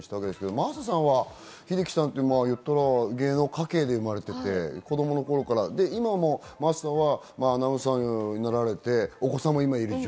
真麻さん、英樹さんと芸能家系に生まれていて子供の頃から今、真麻さんはアナウンサーになってお子さんもいます。